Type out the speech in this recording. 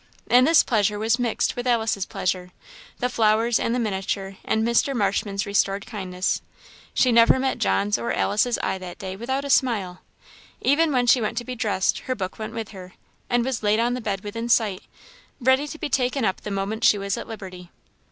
And this pleasure was mixed with Alice's pleasure, the flowers and the miniature, and Mr. Marshman's restored kindness. She never met John's or Alice's eye that day without a smile. Even when she went to be dressed, her book went with her, and was laid on the bed within sight, ready to be taken up the moment she was at liberty.